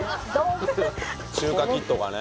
中華キットがね。